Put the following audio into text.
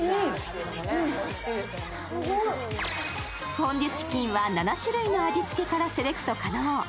フォンデュチキンは７種類の味付けからセレクト可能。